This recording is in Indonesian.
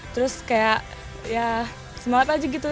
terus kayak ya semangat aja gitu